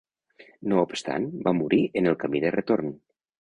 No obstant va morir en el camí de retorn.